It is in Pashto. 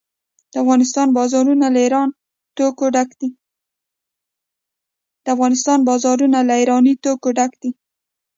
د افغانستان بازارونه له ایراني توکو ډک دي.